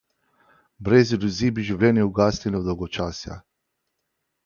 Brez iluzij bi življenje ugasnilo od dolgočasja.